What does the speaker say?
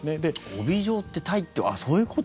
帯状って帯って、そういうこと？